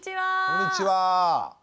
こんにちは。